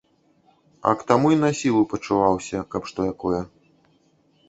А к таму й на сілу пачуваўся, каб што якое.